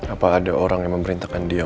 apa ada orang yang memerintahkan dia